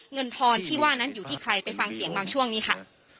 ทอนที่ว่านั้นอยู่ที่ใครไปฟังเสียงบางช่วงนี้ค่ะ